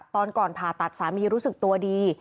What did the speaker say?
ตอนก่อนผ่าตัดสามีรู้สึกตัวดี